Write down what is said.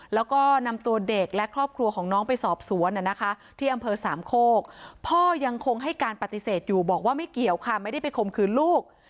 แล้วก็นำตัวเด็กและครอบครัวของน้องไปสอบสวนที่อำเภอสามโคกพ่อยังคงให้การปฏิเสธอยู่บอกว่าไม่เกี่ยวค่ะไม่ได้ไปข่มขืนลูก